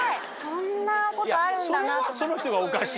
そんなことあるんだなと思って。